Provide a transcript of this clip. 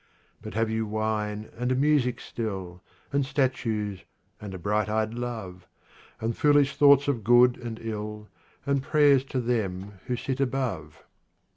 But have you wine and music still, And statues and a bright eyed love, And foolish thoughts of good and ill, And prayers to them who sit above?